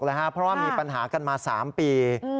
เพราะว่ามีปัญหากันมา๓ปี